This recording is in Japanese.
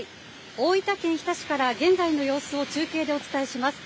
大分県日田市から現在の様子を中継でお伝えします。